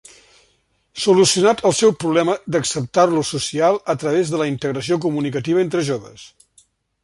Solucionat el seu problema d'acceptar-lo social a través de la integració comunicativa entre joves.